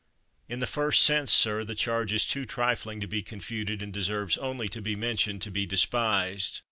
In the first sense, sir, the charge is too trifling to be confuted and de serves only to be mentioned to be despised.